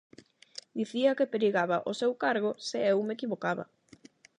Dicía que perigaba o seu cargo se eu me equivocaba.